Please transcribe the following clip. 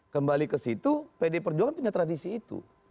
kembali ke situ pdi perjuangan punya tradisi itu